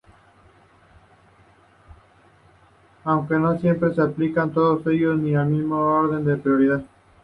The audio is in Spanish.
Aunque no siempre se aplican todos ellos, ni en el mismo orden de prioridad.